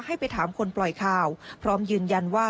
ให้ไปถามคนปล่อยข่าวพร้อมยืนยันว่า